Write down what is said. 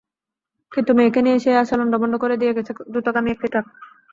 কিন্তু মেয়েকে নিয়ে সেই আশা লন্ডভন্ড করে দিয়ে গেছে দ্রুতগামী একটি ট্রাক।